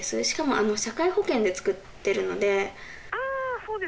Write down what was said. しかも社会保険で作ってるので☎ああ